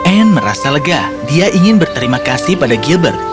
anne merasa lega dia ingin berterima kasih pada gilbert